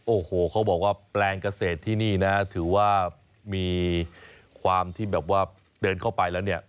โอ้โหเขาบอกว่าแปลงเกษตรที่นี่นะถือว่ามีความที่แบบว่าเดินเข้าไปแล้วเนี่ย